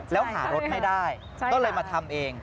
แล้วหารถไม่ได้ก็เลยมาทำเอง